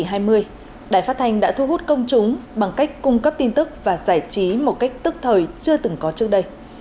radio đã thu hút công chúng bằng cách cung cấp tin tức và giải trí một cách tức thời chưa từng có trước đây